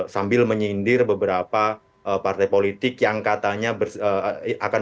sambil menyindir beberapa partai politik yang katanya akan